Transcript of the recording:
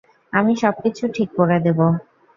আমি সবকিছু ঠিক করে দেব।